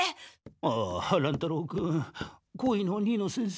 ああ乱太郎君校医の新野先生は？